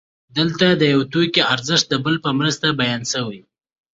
دلته د یو توکي ارزښت د بل په مرسته بیان شوی